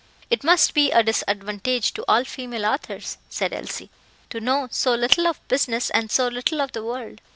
"It must be a disadvantage to all female authors," said Elsie, "to know so little of business and so little of the world.